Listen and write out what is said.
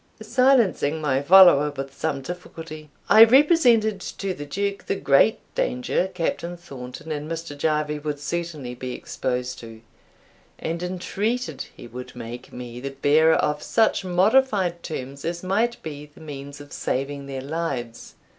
Silencing my follower with some difficulty, I represented to the Duke the great danger Captain Thornton and Mr. Jarvie would certainly be exposed to, and entreated he would make me the bearer of such modified terms as might be the means of saving their lives.